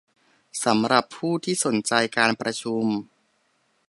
สำหรับผู้ที่สนใจการประชุม